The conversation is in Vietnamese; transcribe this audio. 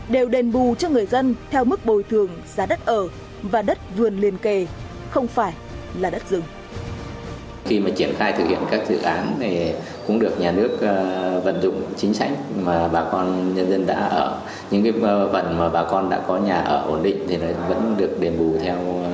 điều một trăm linh của luật đất đai năm hai nghìn một mươi ba quy định